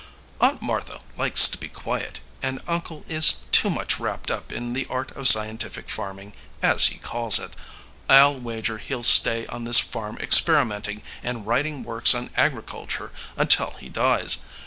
"Aunt Martha likes to be quiet, and uncle is too much wrapped up in the art of scientific farming, as he calls it. I'll wager he'll stay on this farm experimenting and writing works on agriculture until he dies.